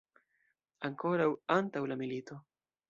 Ankoraŭ antaŭ la milito.